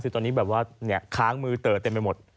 ตอนนี้แบบว่าฮางมือเติมไปหมด